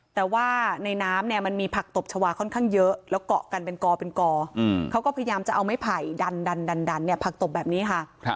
แต่ว่าในน้ำเนี่ยมันมีผักตบชาวาค่อนข้างเยอะแล้วเกาะกันเป็นกอเป็นกอเขาก็พยายามจะเอาไม้ไผ่ดันผักตบแบบนี้ค่ะ